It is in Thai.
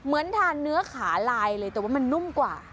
เหมือนทานเนื้อขาลายเลยแต่ว่ามันนุ่มกว่า